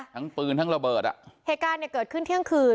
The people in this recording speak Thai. ทั้งปืนทั้งระเบิดอ่ะเหตุการณ์เนี่ยเกิดขึ้นเที่ยงคืน